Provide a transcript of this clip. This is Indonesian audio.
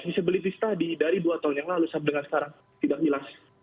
visibilitas tadi dari dua tahun yang lalu sampai dengan sekarang tidak jelas